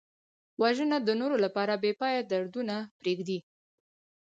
وژنه د نورو لپاره بېپایه دردونه پرېږدي